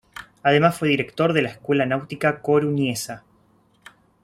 Además fue director de la Escuela Náutica coruñesa.